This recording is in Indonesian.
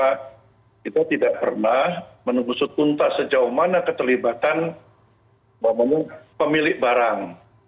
karena kita tidak pernah menunggu setuntas sejauh mana keterlibatan pemilik barang